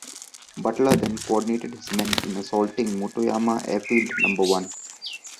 Butler then coordinated his men in assaulting Motoyama Airfield Number One.